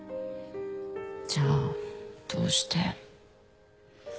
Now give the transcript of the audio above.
じゃあどうして。